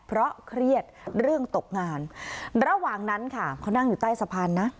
เพราะเครียดเรื่องตกงานระหว่างนั้นค่ะเขานั่งอยู่ใต้สะพานนะ